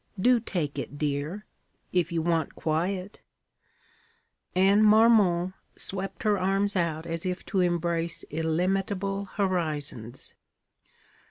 Do take it, dear. If you want quiet' Anne Marmont swept her arms out as if to embrace illimitable horizons.